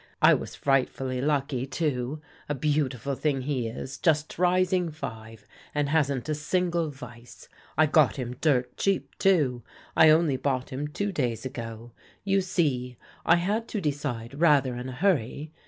I was frightfully lucky, too. A beautiful thing he is, just rising five, and hasn't a single vice. I got him dirt cheap, too. I only bought him two days ago; you see I had to decide rather in a hurry.